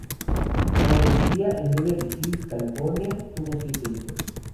Cuando vivía en Beverly Hills, California, tuvo siete hijos.